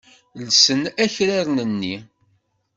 Llsen akraren-nni.